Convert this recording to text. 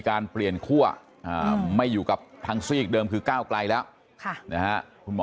การเปลี่ยนคั่วไม่อยู่กับทางซีกเดิมคือก้าวไกลแล้วคุณหมอ